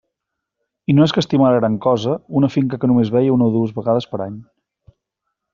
I no és que estimara gran cosa una finca que només veia una o dues vegades per any.